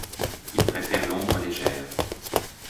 Il préfère l'ombre légère.